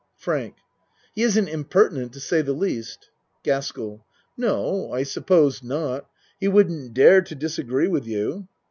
FRANK He isn't impertinent to say the least. GASKELL No, I suppose not. He wouldn't dare to disagree with you.